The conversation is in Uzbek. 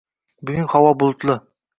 Bugun havo bulutli